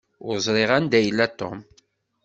Ur ẓṛiɣ anda i yella Tom.